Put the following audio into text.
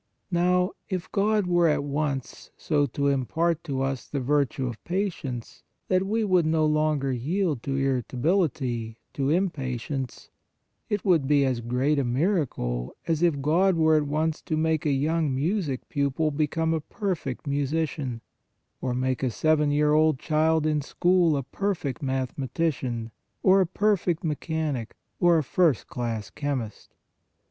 Now, if God were at once so to impart to us the virtue of patience, that we would no longer yield to irritability, to im patience, it would be as great a miracle, as if God were at once to make a young music pupil become a perfect musician, or make a seven year old child in school a perfect mathematician, or a perfect me chanic, or a first class chemist